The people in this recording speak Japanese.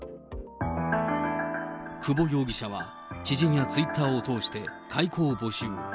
久保容疑者は、知人やツイッターを通して買い子を募集。